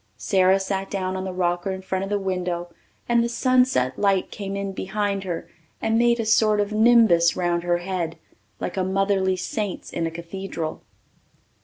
Sara sat down on the rocker in front of the window and the sunset light came in behind her and made a sort of nimbus round her head, like a motherly saint's in a cathedral.